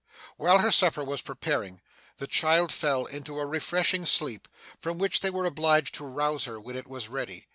While her supper was preparing, the child fell into a refreshing sleep, from which they were obliged to rouse her when it was ready.